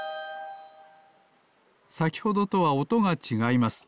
さきほどとはおとがちがいます。